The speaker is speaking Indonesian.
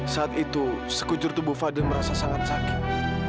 saat itu sekucur tubuh fadil merasa sangat sakit